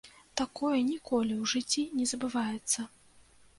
Такое ніколі ў жыцці не забываецца!